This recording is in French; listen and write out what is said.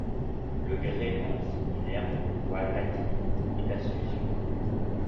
Le gréement, similaire aux voiles latines, est astucieux.